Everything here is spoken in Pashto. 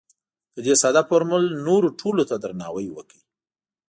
د دې ساده فورمول نورو ټولو ته درناوی وکړئ.